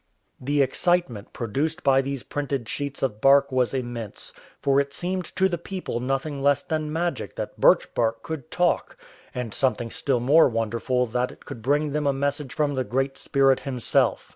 The excitement produced by these printed sheets of bark was immense, for it seemed to the people nothing less than magic that birch bark could " talk," and something still more wonderful that it could bring them a message from the Great Spirit Himself.